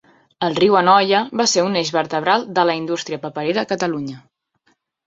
El riu Anoia va ser un eix vertebral de la indústria paperera a Catalunya.